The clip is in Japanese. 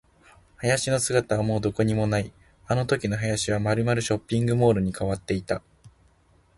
林の姿はもうどこにもない。あのときの林はまるまるショッピングモールに変わっていた。